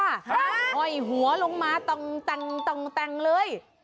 ฮะโอ้ยหัวลงมาต่างต่างต่างต่างเลย